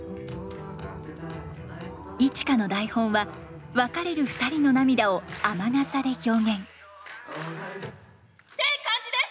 一花の台本は別れる２人の涙を雨傘で表現。って感じです。